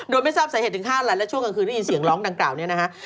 โดยไม่ทราบสาเหตุถึง๕ล้านและช่วงกลางคืนได้ยินเสียงร้องดังกล่าวเนี่ยนะฮะ